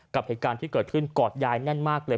กับเหตุการณ์ที่เกิดขึ้นกอดยายแน่นมากเลย